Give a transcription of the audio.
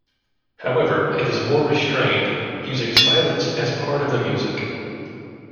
However, it is more restrained, "using silence as part of the music".